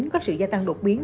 có sự gia tăng đột biến